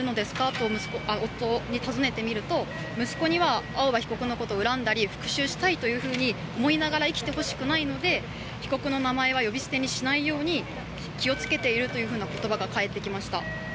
と夫に尋ねてみると息子には青葉被告のことを恨んだり復しゅうしたいと思いながら生きてほしくないので被告の名前は呼び捨てにしないように気をつけているという言葉が返ってきました。